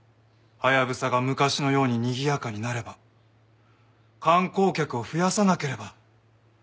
ハヤブサが昔のようににぎやかになれば観光客を増やさなければ。